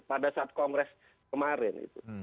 pada saat kongres kemarin